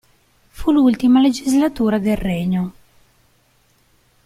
Fu l'ultima legislatura del Regno.